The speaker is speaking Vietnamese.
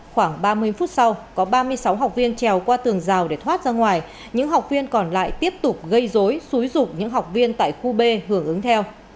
khoảng ba mươi phút sau có ba mươi sáu học viên trèo qua tường rào để thoát ra ngoài những học viên còn lại tiếp tục gây dối xúi dụng những học viên tại khu b hưởng ứng theo